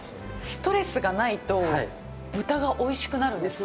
ストレスがないと豚がおいしくなるんですか。